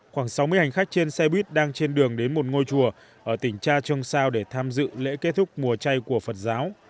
khoảng sáu mươi hành khách trên xe buýt đang trên đường đến một ngôi chùa ở tỉnh cha châu sao để tham dự lễ kết thúc mùa chay của phật giáo